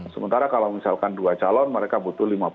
sementara kalau misalkan dua calon mereka butuh